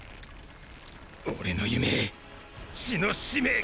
俺の夢血の使命